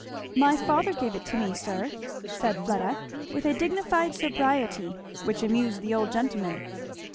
"My father gave it to me, sir," said Fleda, with a dignified sobriety which amused the old gentleman.